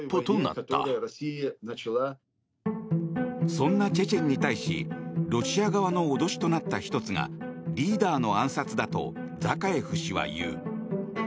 そんなチェチェンに対しロシア側の脅しとなった１つがリーダーの暗殺だとザカエフ氏は言う。